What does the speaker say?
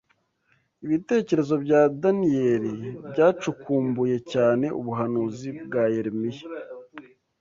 ibitekerezo bya Daniyeli byacukumbuye cyane ubuhanuzi bwa Yeremiya